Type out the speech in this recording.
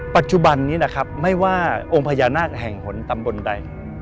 ปัจจุบันนี้นะครับไม่ว่าองค์พญานาคแห่งหนตำบลใด